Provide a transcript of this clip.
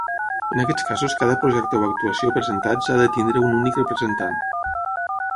En aquests casos cada projecte o actuació presentats ha de tenir un únic representant.